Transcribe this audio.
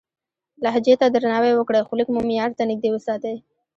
لهجې ته درناوی وکړئ، خو لیک مو معیار ته نږدې وساتئ.